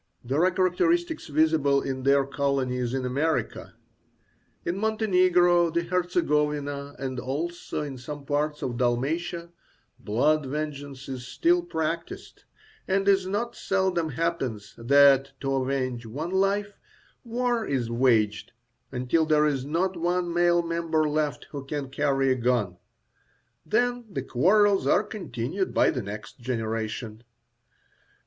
These are characteristics visible in their colonies in America. In Montenegro, the Herzegovina, and also in some parts of Dalmatia, blood vengeance is still practiced, and it not seldom happens that, to avenge one life, war is waged until there is not one male member left who can carry a gun; then the quarrels are continued by the next generation.